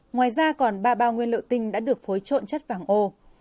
ngoài ra còn ba bao nguyên liệu tinh đã được phối trộn chất vàng ô